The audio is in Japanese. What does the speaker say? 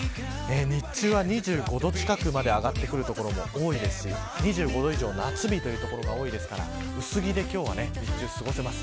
日中は２５度近くまで上がってくる所も多いですし２５度以上夏日という所が多いので薄着で今日は日中過ごせます。